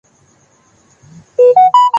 روڑے نہیں اٹکا رہے۔